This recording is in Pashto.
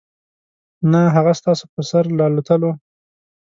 نه هغه ستاسو په سر له الوتلو .